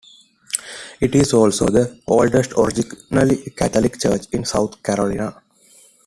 It is also the oldest originally Catholic church in South Carolina.